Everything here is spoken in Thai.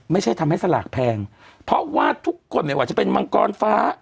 ไม่ใช่ทำให้สลากแพงเพราะว่าทุกคนไม่ว่าจะเป็นมังกรฟ้า